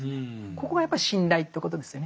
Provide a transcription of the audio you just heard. ここがやっぱり信頼ということですよね。